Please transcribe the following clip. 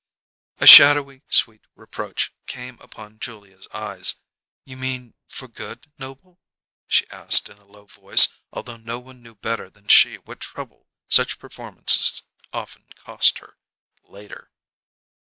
A shadowy, sweet reproach came upon Julia's eyes. "You mean for good, Noble?" she asked in a low voice, although no one knew better than she what trouble such performances often cost her, later.